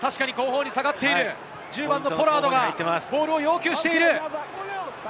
１０番のポラードがボールを要求している。